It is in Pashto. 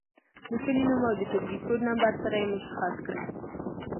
د کلي نوم او د ټولګي کوډ نمبر سره یې مشخص کړئ.